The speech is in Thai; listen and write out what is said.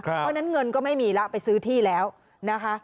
เพราะฉะนั้นเงินก็ไม่มีแล้วไปซื้อที่แล้วนะคะ